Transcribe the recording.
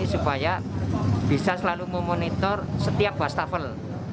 supaya bisa selalu memonitor setiap wastafel